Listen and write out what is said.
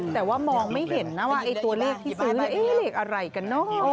แต่มองไม่เห็นนะว่าตัวเลขที่ซื้อเอ๊ะเฮ่เลกอะไรกันเนอะ